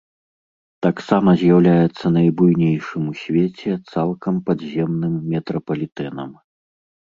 Таксама з'яўляецца найбуйнейшым у свеце цалкам падземным метрапалітэнам.